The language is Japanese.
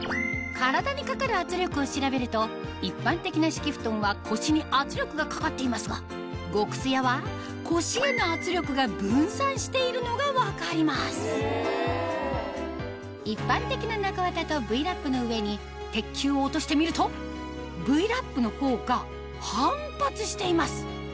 体にかかる圧力を調べると一般的な敷布団は腰に圧力がかかっていますが極すやは腰への圧力が分散しているのが分かります一般的な中わたとＶーＬａｐの上に鉄球を落としてみるとＶーＬａｐのほうが反発しています